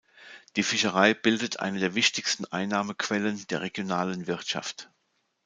Die Fischerei bildet eine der wichtigsten Einnahmequellen der regionalen Wirtschaft.